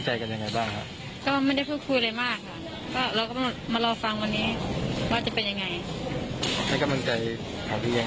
ไม่ได้มีอะไรได้ไหมคุยกันปกติแหละก็รอความห่วง